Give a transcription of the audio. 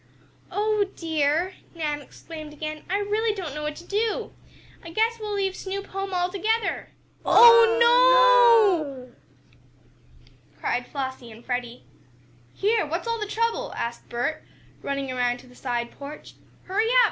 "Oh, dear!" Nan exclaimed again. "I really don't know what to do! I guess we'll leave Snoop home altogether!" "Oh, no!" cried Flossie and Freddie. "Here! What's all the trouble?" asked Bert, running around to the side porch. "Hurry up!